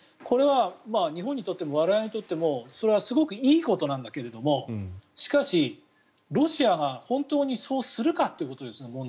これは日本にとっても我々にとってもそれはすごくいいことなんだけどもしかし、ロシアが本当にそうするかということですね。